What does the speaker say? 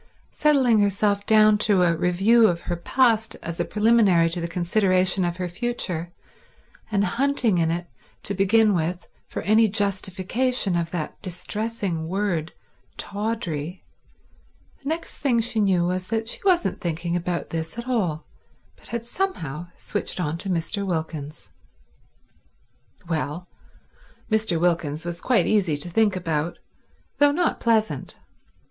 Settling herself down to a review of her past as a preliminary to the consideration of her future, and hunting in it to begin with for any justification of that distressing word tawdry, the next thing she knew was that she wasn't thinking about this at all, but had somehow switched on to Mr. Wilkins. Well, Mr. Wilkins was quite easy to think about, though not pleasant.